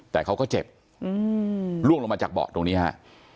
แต่เขาก็เจ็บล่วงลงมาจากเบาะตรงนี้ฮะ